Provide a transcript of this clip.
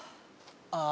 ああ